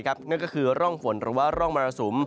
นั่นก็คือร่องฝนหรือว่าร่องมรสุม